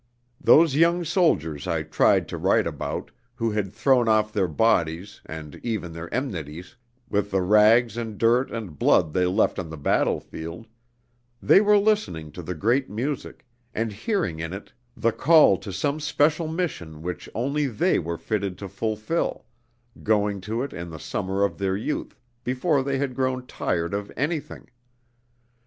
Those young soldiers I tried to write about, who had thrown off their bodies, and even their enmities, with the rags and dirt and blood they left on the battlefield they were listening to the great music, and hearing in it the call to some special mission which only they were fitted to fulfil, going to it in the summer of their youth, before they had grown tired of anything.